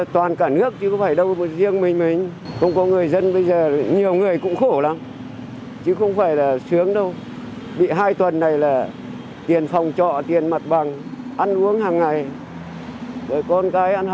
tuân thủ công tác phòng chống dịch